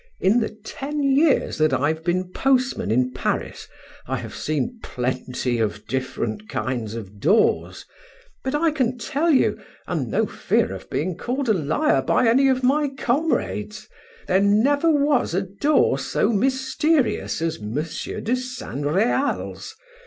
In the ten years that I've been postman in Paris, I have seen plenty of different kinds of doors! But I can tell you, and no fear of being called a liar by any of my comrades, there never was a door so mysterious as M. de San Real's.